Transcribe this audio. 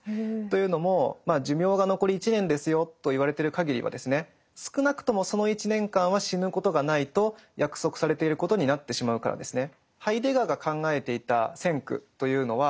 というのも寿命が残り１年ですよと言われてる限りはですね少なくともその１年間は死ぬことがないと約束されていることになってしまうからですね。